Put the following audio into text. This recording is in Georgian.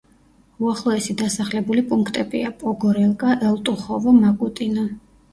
უახლოესი დასახლებული პუნქტებია: პოგორელკა, ელტუხოვო, მაკუტინო.